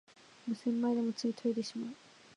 無洗米でもつい研いでしまう